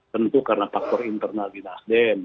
tentu karena faktor internal di nasdem